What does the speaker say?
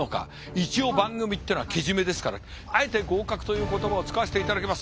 一応番組ってのはけじめですからあえて合格という言葉を使わせていただきます。